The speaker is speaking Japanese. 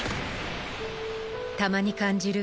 たまに感じる